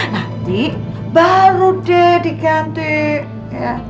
nanti baru deh diganti ya